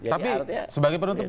tapi sebagai penutup